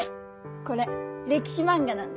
これ歴史漫画なんで。